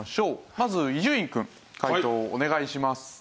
まず伊集院くん解答をお願いします。